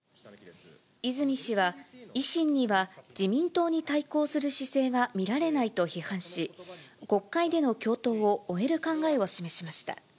泉氏は、維新には自民党に対抗する姿勢が見られないと批判し、国会での共闘を終える考えを示しました。